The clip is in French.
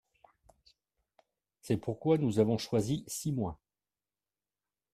C’est pourquoi nous avons choisi six mois.